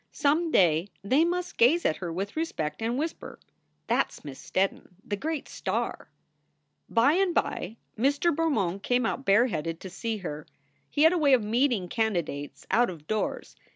Some day they must gaze at her with respect and whisper, "That s Miss Steddon, the great star." By and by Mr. Bermond came out bareheaded to see her. He had a way of meeting candidates out of doors.